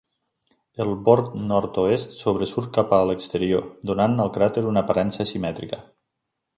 El bord nord-oest sobresurt cap a l'exterior, donant al cràter una aparença asimètrica.